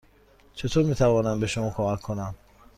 چطور می توانم به شما کمک کنم؟